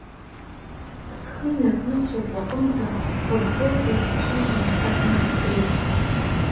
Схы инаркны сшьапаҟынӡа пырпылҵас сцәеижь мцак нахҟьеит.